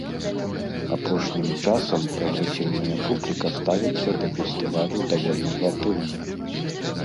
Апошнім часам прагрэсіўная публіка ставіцца да фестывалю даволі негатыўна.